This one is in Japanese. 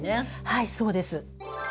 はいそうです。